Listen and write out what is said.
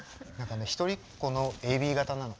一人っ子のＡＢ型なの。